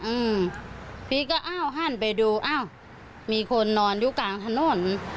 อืมพี่ก็อ้าวหันไปดูอ้าวมีคนนอนอยู่กลางถนน